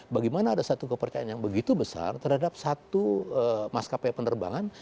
bagaimana ada satu kepercayaan yang begitu besar terhadap satu maskapai penerbangan